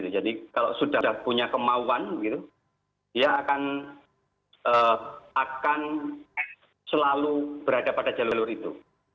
jadi kalau sudah punya kemauan dia akan selalu berada pada jalur jalur itu